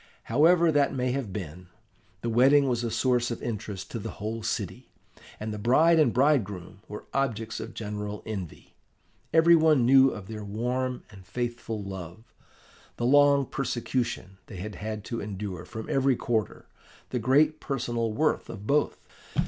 However that may have been, the wedding was a source of interest to the whole city, and the bride and bridegroom were objects of general envy. Every one knew of their warm and faithful love, the long persecution they had had to endure from every quarter, the great personal worth of both.